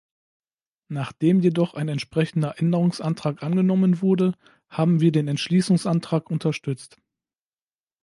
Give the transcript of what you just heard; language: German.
Nachdem jedoch ein entsprechender Änderungsantrag angenommen wurde, haben wir den Entschließungsantrag unterstützt.